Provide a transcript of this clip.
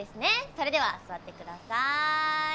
それでは座ってください。